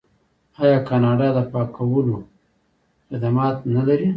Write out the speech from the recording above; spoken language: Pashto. آیا کاناډا د پاکولو خدمات نلري؟